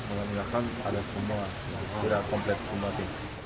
mungkin akan ada semua sudah komplit